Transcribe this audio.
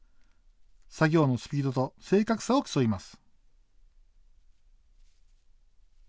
作業のスピードと正確さを競います。